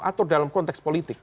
atau dalam konteks politik